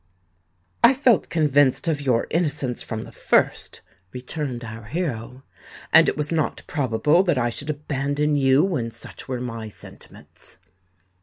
"I felt convinced of your innocence from the first," returned our hero; "and it was not probable that I should abandon you when such were my sentiments."